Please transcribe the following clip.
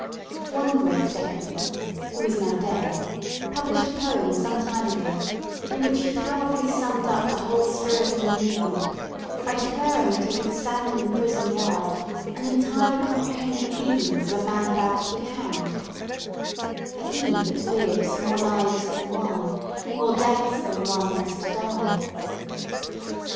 One great decadent, who is now dead, published a poem some time ago, in which he powerfully summed up the whole spirit of the movement by declaring that he could stand in the prison yard and entirely comprehend the feelings of a man about to be hanged: 'For he that lives more lives than one More deaths than one must die.'